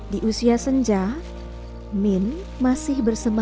dia saya sendiri yang talked to dengan mia